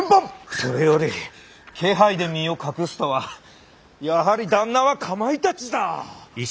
それより気配で身を隠すとはやはり旦那はカマイタチだ！